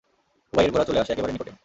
উবাইয়ের ঘোড়া চলে আসে একেবারে নিকটে।